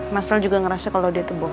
mas lel juga ngerasa kalau dia itu bohong